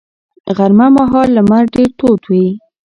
غرمه مهال لمر ډېر تود وي